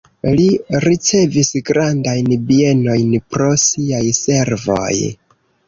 Li ricevis grandajn bienojn pro siaj servoj.